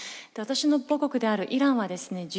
私の母国であるイランはですね